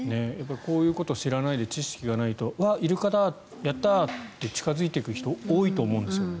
こういうことを知らないで知識がないとイルカだ、やったー！って近付いていく人多いと思うんです。